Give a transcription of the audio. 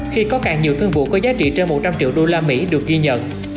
khi có càng nhiều thương vụ có giá trị trên một trăm linh triệu usd được ghi nhận